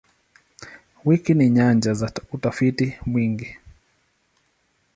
Wiki ni nyanja za utafiti mwingi.